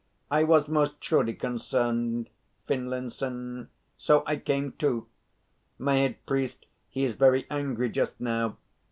I was most truly concerned, Finlinson, so I came too. My head priest he is very angry just now.